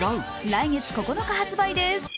来月９日発売です。